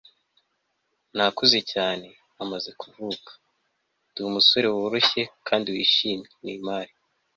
nakuze cyane amaze kuvuka. ndi umusore woroshye kandi wishimye. - neymar